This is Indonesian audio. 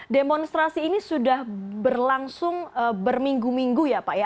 demonstrasi ini sudah berlangsung berminggu minggu ya pak ya